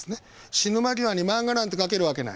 「死ぬ間際に漫画なんて描けるわけない」。